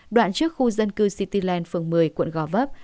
đoạn trước khu dân cư cityland phường một mươi quận gò vấp